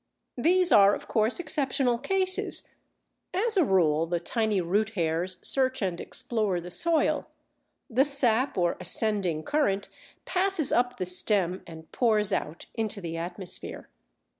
These are, of course, exceptional cases; as a rule the tiny root hairs search and explore the soil; the sap or ascending current passes up the stem and pours out into the atmosphere.